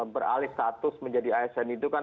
beralih status menjadi asn itu kan